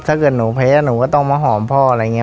ถ้าเกิดหนูแพ้หนูก็ต้องมาหอมพ่ออะไรอย่างนี้